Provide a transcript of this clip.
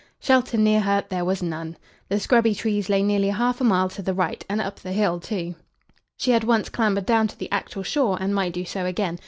Shelter near her there was none. The scrubby trees lay nearly half a mile to the right, and up the hill, too. She had once clambered down to the actual shore, and might do so again.